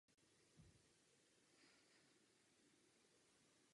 Jsou v angličtině, což je u bulharského kolegy velmi překvapivé.